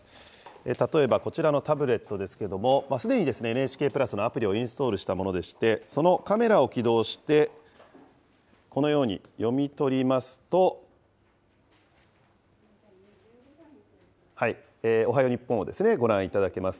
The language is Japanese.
例えばこちらのタブレットですけれども、すでにＮＨＫプラスのアプリをインストールしたものでして、そのカメラを起動して、このように読み取りますと、おはよう日本をご覧いただけます。